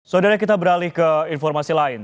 saudara kita beralih ke informasi lain